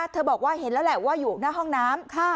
บอกว่าเห็นแล้วแหละว่าอยู่หน้าห้องน้ำ